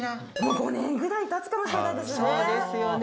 ５年くらい経つかもしれないですね。